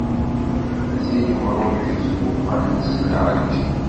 Si lebruǧ izewwqen s lɛaǧ.